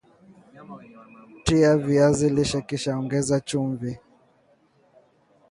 Tia viazi lishe kisha ongeza chumvi